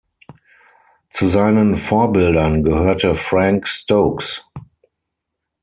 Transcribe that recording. Zu seinen Vorbildern gehörte Frank Stokes.